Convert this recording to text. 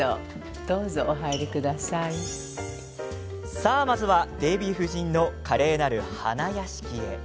さあ、まずはデヴィ夫人の華麗なる花屋敷へ。